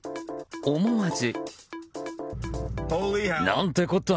思わず。